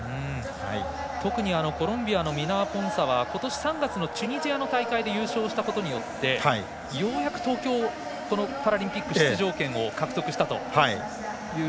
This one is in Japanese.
特にコロンビアのミナアポンサはことし３月のチュニジアの大会で優勝したことによってようやく東京パラリンピックの出場権を獲得したという。